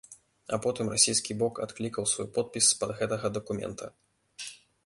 А потым расійскі бок адклікаў свой подпіс з-пад гэтага дакумента.